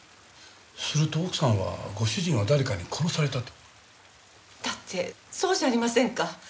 すると奥さんはご主人は誰かに殺されたと？だってそうじゃありませんか。